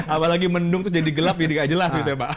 apalagi mendung tuh jadi gelap jadi gak jelas gitu ya pak